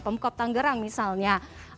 pemkop tanggerang misalnya